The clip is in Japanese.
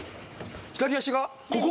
左足がここ？